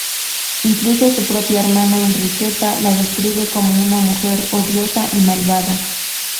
Incluso su propia hermana Enriqueta, la describe como una mujer odiosa y malvada.